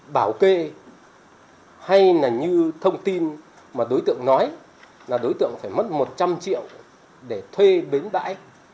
bảo kê hay là như thông tin mà đối tượng nói là đối tượng phải mất một trăm linh triệu để thuê bến bãi